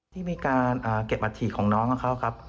ที่มีการเก็บอัฐิของน้องของเขาครับ